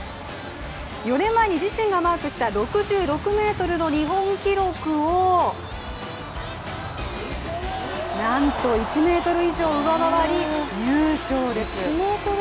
４年前に自身がマークした６６ｍの日本記録をなんと１ｍ以上上回り、優勝です。